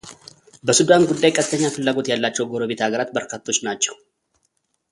በሱዳን ጉዳይ ቀጥተኛ ፍላጎት ያላቸው ጎረቤት አገራት በርካቶች ናቸው።